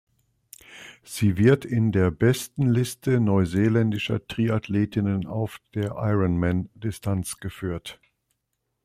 Sie wird in der Bestenliste neuseeländischer Triathletinnen auf der Ironman-Distanz geführt.